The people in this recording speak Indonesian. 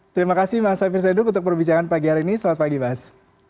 terima kasih mas hafir zaiduk untuk perbicaraan pagi hari ini selamat pagi bas